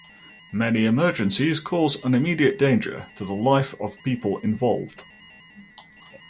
Many emergencies cause an immediate danger to the life of people involved.